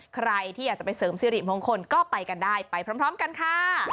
ใครที่อยากจะไปเสริมสิริมงคลก็ไปกันได้ไปพร้อมกันค่ะ